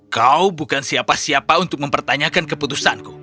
kau bukan siapa siapa untuk mempertanyakan keputusanku